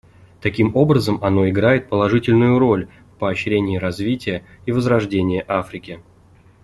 Таким образом, оно играет положительную роль в поощрении развития и возрождении Африки.